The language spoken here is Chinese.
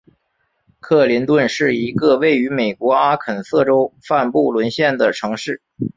克林顿是一个位于美国阿肯色州范布伦县的城市。